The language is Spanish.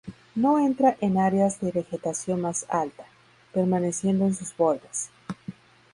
No entra en áreas de vegetación más alta, permaneciendo en sus bordes.